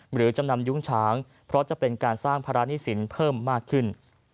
หรือจำนำยุ้งฉางเพราะจะเป็นการสร้างภาระหนี้สินเพิ่มมากขึ้น